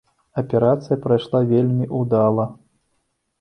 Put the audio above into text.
Аперацыя прайшла вельмі ўдала.